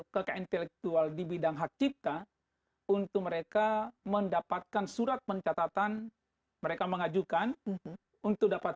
keintel di bidang hak kita untuk mereka mendapatkan surat pencatatan mereka mengajukan untuk dapat